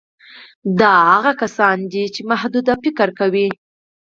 دا هغه کسان دي چې محدود فکر کوي